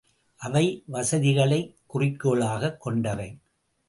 அவை வசதிகளைக் குறிக்கோளாகக் கொண்டவை.